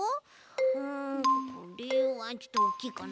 うんこれはちょっとおっきいかな。